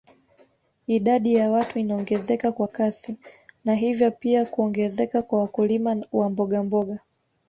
Idadi ya watu inaongezeka kwa kasi na hivyo pia kuongezeka kwa wakulima wa mbogamboga